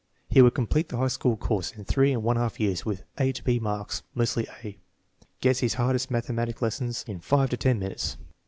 He will complete the high school course in three and one half years with A to B marks, mostly A. Gets his hardest mathematics lessons in five to ten minutes.